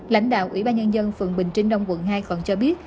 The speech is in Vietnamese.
lãnh đạo ủy ban nhân dân phường bình trinh đông quận hai còn cho biết